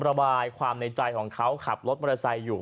ระบายความในใจของเขาขับรถมอเตอร์ไซค์อยู่